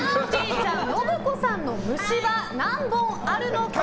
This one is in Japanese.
ちゃん信子さんの虫歯何本あるのか。